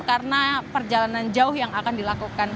karena perjalanan jauh yang akan dilakukan